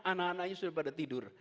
anak anaknya sudah pada tidur